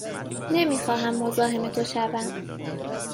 نمی خواهم مزاحم تو شوم.